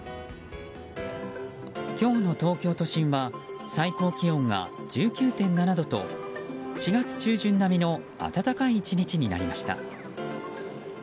今日の東京都心は最高気温が１９．７度と４月中旬並みの暖かい１日になりました。